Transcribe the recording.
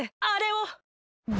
あれを！